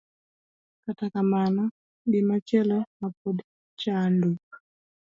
Kata kamano, gimachielo ma pod chando